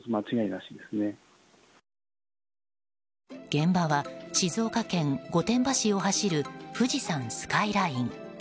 現場は静岡県御殿場市を走る富士山スカイライン。